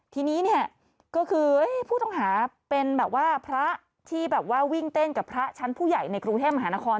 ทีนี้เนี่ยก็คือผู้ต้องหาเป็นแบบว่าพระที่แบบว่าวิ่งเต้นกับพระชั้นผู้ใหญ่ในกรุงเทพมหานคร